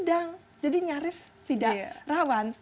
sedang jadi nyaris tidak rawan